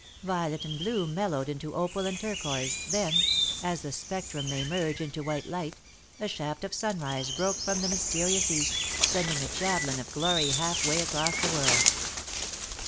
Violet and blue mellowed into opal and turquoise, then, as the spectrum may merge into white light, a shaft of sunrise broke from the mysterious East, sending a javelin of glory half way across the world.